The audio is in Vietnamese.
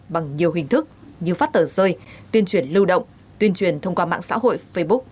bằng nhiều hình thức như phát tờ rơi tuyên truyền lưu động tuyên truyền thông qua mạng xã hội facebook